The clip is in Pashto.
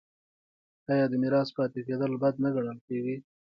آیا د میرات پاتې کیدل بد نه ګڼل کیږي؟